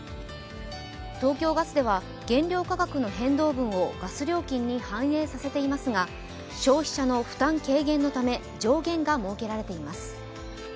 東京ガスでは原料価格の変動分をガス料金に反映させていますが、消費者の負担軽減のため上限が設けられています。